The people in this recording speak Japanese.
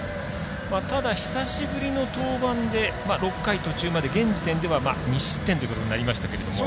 ただ、久しぶりの登板で６回途中まで現時点では２失点ということになりましたが。